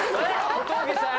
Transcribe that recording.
小峠さん！